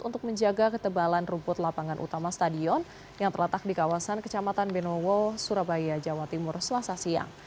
untuk menjaga ketebalan rumput lapangan utama stadion yang terletak di kawasan kecamatan benowo surabaya jawa timur selasa siang